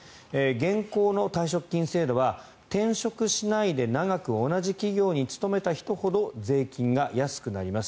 現行の退職金制度は転職しないで長く同じ企業に勤めた人ほど税金が安くなります。